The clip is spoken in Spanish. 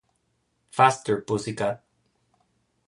Faster, Pussycat!